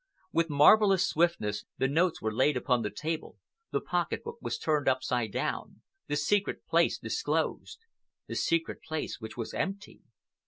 With marvelous swiftness the notes were laid upon the table, the pocket book was turned upside down, the secret place disclosed—the secret place which was empty.